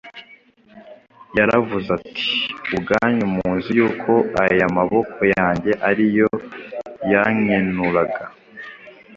Yaravuze ati: “Ubwanyu muzi yuko aya maboko yanjye ari yo yankenuraga